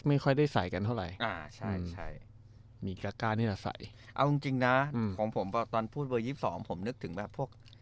มีก็ก้านี่ล่ะสัยเอาจริงจริงนะของผมตอนพูดเวอร์๒๒ผมนึกถึงแบบพวก